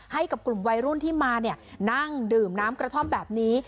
ให้กับกลุ่มวัยรุ่นที่มานั่งดื่มน้ำกระท่อมแบบนี้